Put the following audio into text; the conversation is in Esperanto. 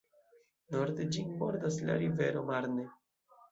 Norde ĝin bordas la rivero Marne.